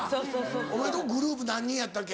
お前のとこグループ何人やったっけ？